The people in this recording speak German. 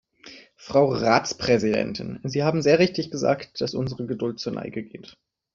Frau Ratspräsidentin, Sie haben sehr richtig gesagt, dass unsere Geduld zur Neige geht.